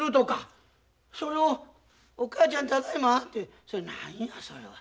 それを「お母ちゃんただいま」てそれ何やそれは。